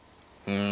うん。